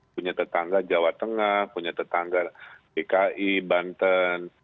punya tetangga jawa tengah punya tetangga dki banten